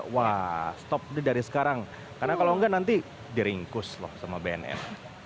wah stop dari sekarang karena kalau enggak nanti diringkus loh sama bnn